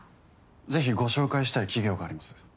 是非ご紹介したい企業があります。